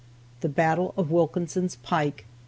THE BATTLE OF WILKINSON'S PIKE.